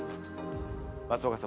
松岡様